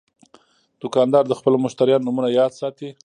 دوکاندار د خپلو مشتریانو نومونه یاد ساتي.